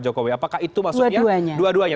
apakah itu maksudnya